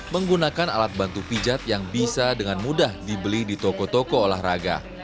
menggunakan alat bantu pijat yang bisa dengan mudah dibeli di toko toko olahraga